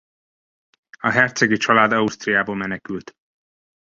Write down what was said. A hercegi család Ausztriába menekült.